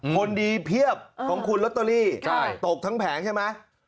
คนดีเพียบของคุณลอตเตอรี่ตกทั้งแผงใช่ไหม